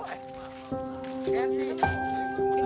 hai apa kabar